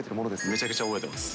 めちゃくちゃ覚えてます。